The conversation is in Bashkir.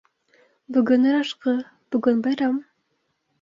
Бөгөн ырашҡы, бөгөн байрам.